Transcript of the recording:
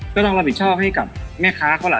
ก็ต้องรับผิดชอบให้กับแม่ค้าเขาล่ะ